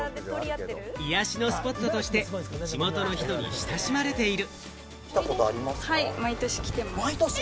癒やしのスポットとして地元の人に親しまれている。